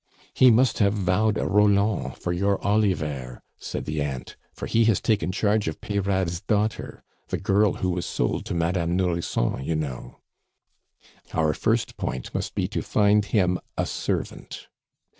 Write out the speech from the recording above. "He must have vowed a Roland for your Oliver," said the aunt, "for he has taken charge of Peyrade's daughter, the girl who was sold to Madame Nourrisson, you know." "Our first point must be to find him a servant."